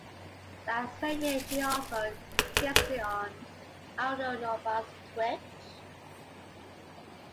That same year, she also guested on Aldo Nova's "Twitch".